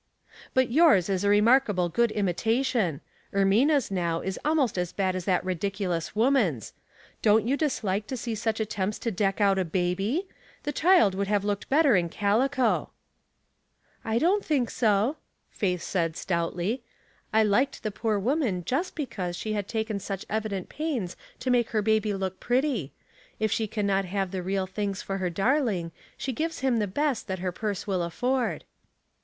" But yours is a remarkable good imitation. Ermina's, now, is almost as bad as that ridiculous woman's. Don't you dislike to see such attempts to deck out a baby? The child would have looked better in calico." 244 Household Puzzles* "I don't think so," Faith said, stoutly. *»1 liked the poor woman just because she had taken such evident pains to make her baby look pretty. If she can not have the real things for her darling, she gives him the best that her purse will afford."